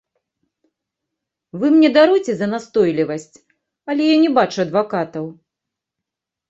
Вы мне даруйце за настойлівасць, але я не бачу адвакатаў.